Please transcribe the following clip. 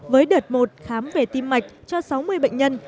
với đợt một khám về tim mạch cho sáu mươi bệnh nhân